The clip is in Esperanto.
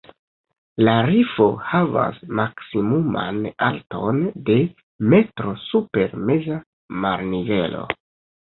La rifo havas maksimuman alton de metro super meza marnivelo.